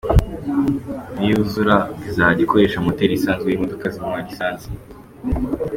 Niyuzura ngo izajya ikoresha moteri isanzwe y’imodoka zinywa lisansi.